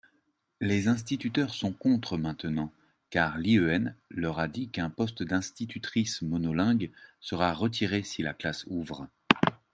les instituteurs sont contre maintenant car l'IEN leur a dit qu'un poste d'institutrice monolingue sera retiré si la classe ouvre.